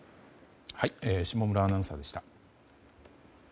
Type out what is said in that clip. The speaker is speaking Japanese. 下村アナウンサーでした。